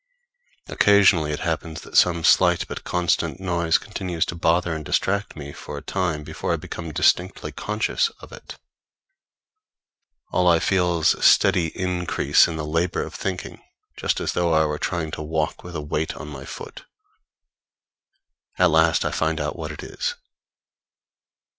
Occasionally it happens that some slight but constant noise continues to bother and distract me for a time before I become distinctly conscious of it. All I feel is a steady increase in the labor of thinking just as though I were trying to walk with a weight on my foot. At last I find out what it is.